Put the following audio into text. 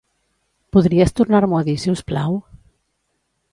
Podries tornar-m'ho a dir, si us plau?